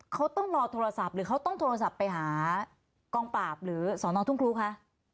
เขาต้องรอโทรศัพท์หรือเขาต้องโทรศัพท์ไปหากองปราบหรือสอนอทุ่งครูคะ